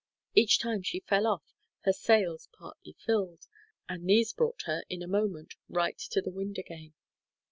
Each time she fell off her sails partly filled, and these brought her, in a moment, right to the wind again.